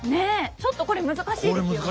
ちょっとこれ難しいですよね。